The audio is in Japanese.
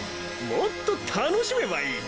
もっとたのしめばいい。